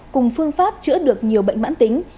cùng phương pháp chữa được nhiều bệnh mãn tính